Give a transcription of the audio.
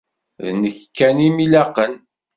D nekk kan i m-ilaqen.